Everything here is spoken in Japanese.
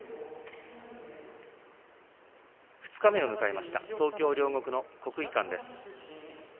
二日目を迎えました東京・両国の国技館です。